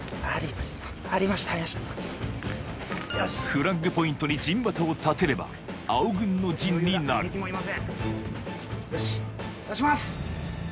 フラッグポイントに陣旗を立てれば青軍の陣になるよしさします！